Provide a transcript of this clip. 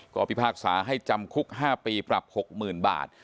ก็พิพากษาให้จำคุก๕ปีปรับ๖๐๐๐บาท